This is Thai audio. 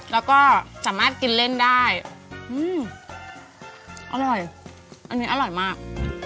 แล้วก็สามารถกินเล่นได้อืมอร่อยอันนี้อร่อยมาก